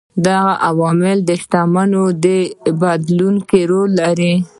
دا عوامل د شتمنۍ په بدلون کې رول لري.